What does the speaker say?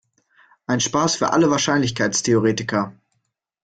Ein Spaß für alle Wahrscheinlichkeitstheoretiker.